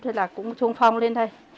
thế là cũng trung phong lên đây